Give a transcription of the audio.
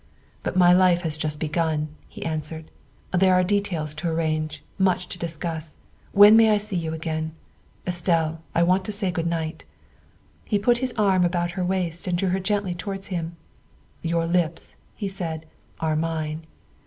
" But my life has just begun," he answered; " there are details to arrange much to discuss. When may I see you again ? Estelle, I want to say good night. '' He put his arm about her waist and drew her gently towards him. '' Your lips, '' he said, '' are mine.